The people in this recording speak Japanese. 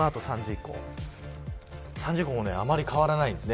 その後、３時以降も、あまり変わらないです。